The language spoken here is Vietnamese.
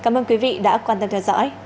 xin chào và hẹn gặp lại